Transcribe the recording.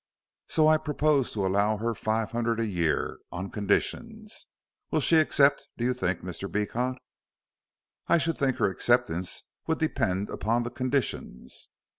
So I propose to allow her five hundred a year on conditions. Will she accept, do you think, Mr. Beecot?" "I should think her acceptance would depend upon the conditions."